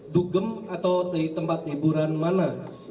dugem atau tempat hiburan mana